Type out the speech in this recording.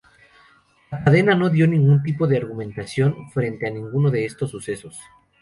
La cadena no dio ningún tipo de argumentación frente a ninguno de estos sucesos.